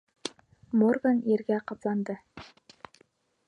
Морган ергә ҡапланды.